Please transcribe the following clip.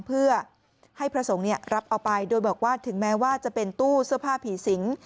เพื่อให้พระสงฆ์รับเอาไปโดยบอกว่าถึงแม้ว่าจะเป็นตู้เสื้อผ้าผีสิง